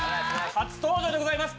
初登場でございます。